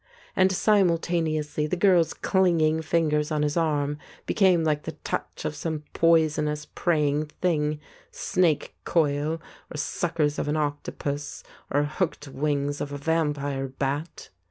And simul taneously the girl's clinging ringers on his arm be came like the touch of some poisonous, preying thing, snake coil, or suckers of an octopus, or hooked wings of a vampire bat.